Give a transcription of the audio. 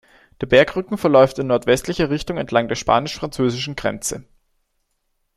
Der Bergrücken verläuft in nordwestlicher Richtung entlang der spanisch-französischen Grenze.